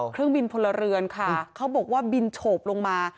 เครื่องบินพลเรือนค่ะเขาบอกว่าบินโฉบลงมา